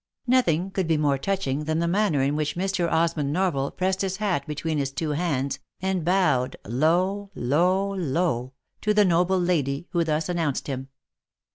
Nothing could be more touching than the manner in which Mr. Osmond Norval pressed his hat between his two hands, and bowed low, low, low, to the noble lady who thus announced him.